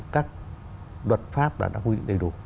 các luật pháp đã đặt quy định đầy đủ